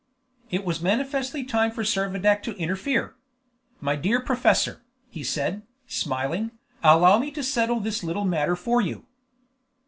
It was manifestly time for Servadac to interfere. "My dear professor," he said, smiling, "allow me to settle this little matter for you."